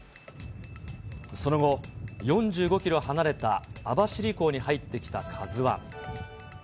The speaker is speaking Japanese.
その後、４５キロ離れた網走港に入ってきたＫＡＺＵＩ。